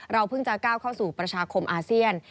เพิ่งจะก้าวเข้าสู่ประชาคมอาเซียน